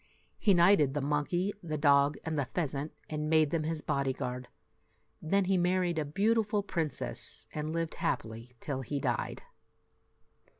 He knighted the monkey, the dog, and the pheasant, and made them his body guard. Then he married a beautiful princess, and lived happily till he died.